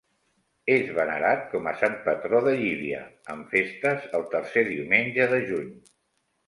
És venerat com a sant patró de Llívia, amb festes el tercer diumenge de juny.